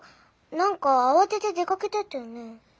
何か慌てて出かけてったよね？